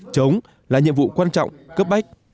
chống là nhiệm vụ quan trọng cấp bách